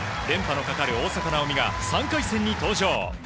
連覇のかかる大坂なおみが３回戦に登場。